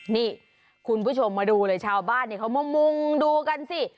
นี่คุณผู้ชมมาดูเลยชาวบ้านเขามามุ่งดูกันสิ